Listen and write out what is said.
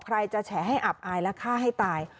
ใครจะแฉให้อับอายและฆ่าให้ตาย